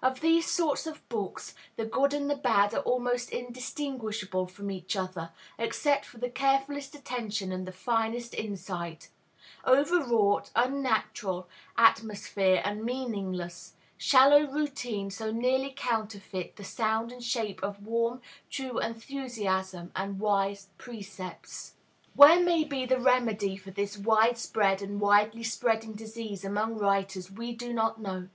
Of these sorts of books, the good and the bad are almost indistinguishable from each other, except by the carefulest attention and the finest insight; overwrought, unnatural atmosphere and meaningless, shallow routine so nearly counterfeit the sound and shape of warm, true enthusiasm and wise precepts. Where may be the remedy for this widespread and widely spreading disease among writers we do not know.